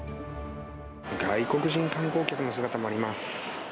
外国人観光客の姿もあります。